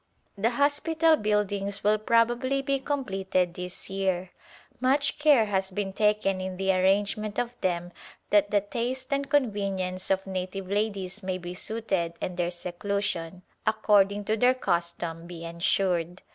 The hospital buildings will probably be completed this year. Much care has been taken in the arrange ment of them that the taste and convenience of native 179^ Arrival in India ladies may be suited and their seclusion, according to their custom, be ensured.